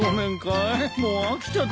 もう飽きちゃったなあ。